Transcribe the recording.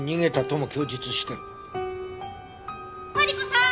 マリコさん！